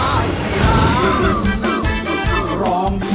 ก็ร้อง